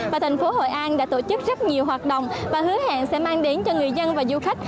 và thành phố hội an đã tổ chức rất nhiều hoạt động và hứa hẹn sẽ mang đến cho người dân và du khách